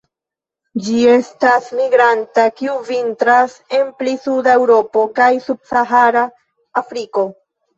Ĝi estas migranta, kiu vintras en pli suda Eŭropo kaj sub-Sahara Afriko.